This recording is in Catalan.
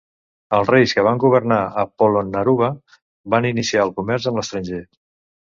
Els reis que van governar a Polonnaruwa van iniciar el comerç amb l'estranger.